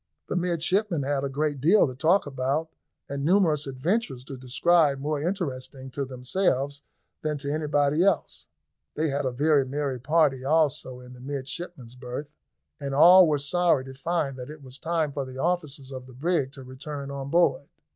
The midshipmen had a great deal to talk about, and numerous adventures to describe more interesting to themselves than to anybody else. They had a very merry party also in the midshipmen's berth, and all were sorry to find that it was time for the officers of the brig to return on board.